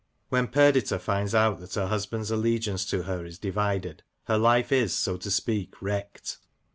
When Perdita finds out that her husband's allegiance to her is divided, her life is, so to speak, wrecked.